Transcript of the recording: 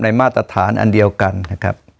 มาตรฐานอันเดียวกันนะครับ